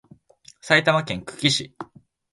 埼玉県久喜市